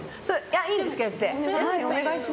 いいですか、やって。